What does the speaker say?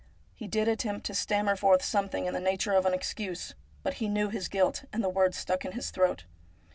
He did attempt to stammer forth something in the nature of an excuse, but he knew his guilt, and the words stuck in his throat.